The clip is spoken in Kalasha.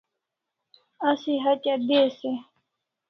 Asi hatya des e?